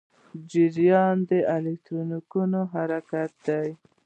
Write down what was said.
جریان د الکترونونو حرکت دی.